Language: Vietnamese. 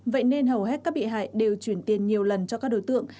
vậy nên hầu hết các bị hại đều chuyển tiền nhiều lần cho các đối tượng